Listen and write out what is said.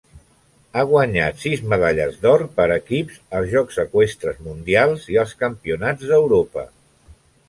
Ha guanyat sis medalles d'or per equips als Jocs Eqüestres Mundials i als Campionats d'Europa.